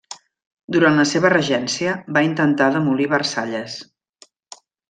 Durant la seva regència, va intentar demolir Versalles.